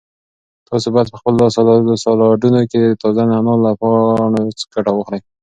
تاسو باید په خپلو سالاډونو کې د تازه نعناع له پاڼو ګټه واخلئ.